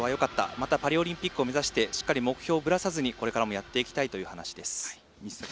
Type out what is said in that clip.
またパリオリンピックを目指して目標をぶらさずにこれからもやっていきたいと話しています。